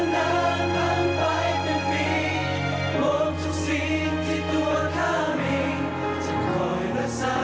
ขอบคุณครับ